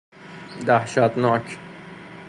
دهشت ناک